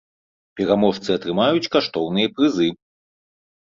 Пераможцы атрымаюць каштоўныя прызы.